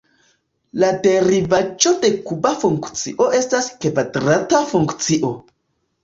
La derivaĵo de kuba funkcio estas kvadrata funkcio.